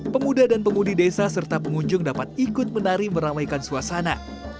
pemuda dan pemudi desa serta pengunjung dapat ikut menari meramaikan suasana